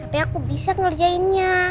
tapi aku bisa ngerjainnya